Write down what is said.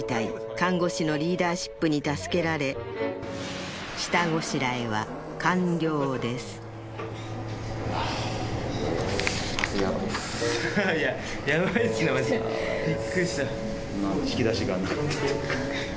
看護師のリーダーシップに助けられ下ごしらえは完了です・ヤバイっすよマジでびっくりした・